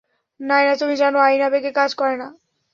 নায়না, তুমি জানো আইন আবেগে কাজ করে না।